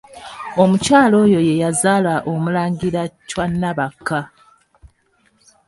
Omukyala oyo ye yazaala Omulangira Chwa Nabakka.